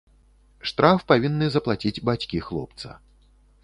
Штраф павінны заплаціць бацькі хлопца.